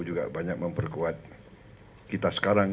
juga banyak memperkuat kita sekarang